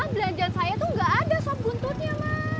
nah sampe rumah belanjaan saya tuh gak ada sop buntutnya mas